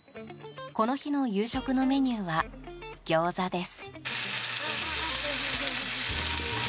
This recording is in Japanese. この日の夕食のメニューはギョーザです。